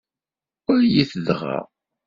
Walit dɣa.